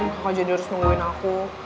aku jadi harus nungguin aku